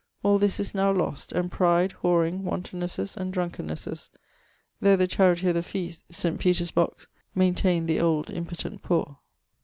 All this is now lost; and pride, whoreing, wantonnesses, and drunkennesses. Tho the charity of the feast, St. Peter's box, maintayned the old impotent poore.'